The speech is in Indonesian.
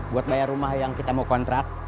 buat bayar rumah yang kita mau kontrak